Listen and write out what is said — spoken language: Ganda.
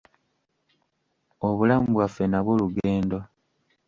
Obulamu bwaffe nabwo lugendo.